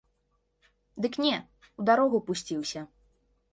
Дык не, у дарогу пусціўся.